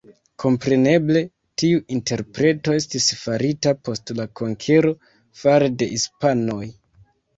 Kompreneble tiu interpreto estis farita post la konkero fare de hispanoj.